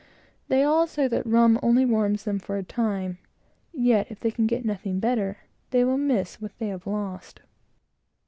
They all say that rum only warms them for a time; yet, if they can get nothing better, they will miss what they have lost.